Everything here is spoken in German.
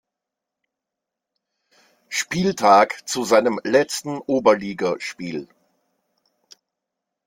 Spieltag zu seinem letzten Oberligaspiel.